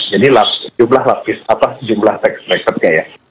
jadi jumlah lapis atas jumlah tax bracket nya ya